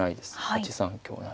８三香成。